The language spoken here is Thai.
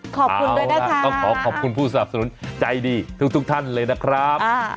ขอบคุณนะครับต้องขอขอบคุณผู้สนับสนุนใจดีทุกท่านเลยนะครับ